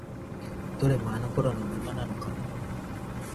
どれもあの頃のままなのかな？